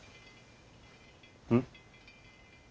うん？